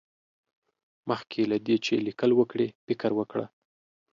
مخکې له دې چې ليکل وکړې، فکر وکړه.